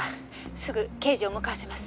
すぐ刑事を向かわせます。